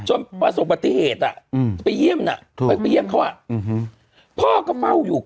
ประสบปฏิเหตุอ่ะไปเยี่ยมน่ะไปเยี่ยมเขาพ่อก็เฝ้าอยู่